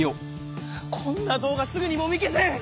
こんな動画すぐにもみ消せ！